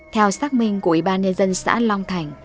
theo xác minh của ủy ban nhân dân xã long thành